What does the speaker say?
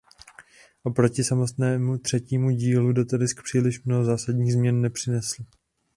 Oproti samotnému třetímu dílu datadisk příliš mnoho zásadních změn nepřinesl.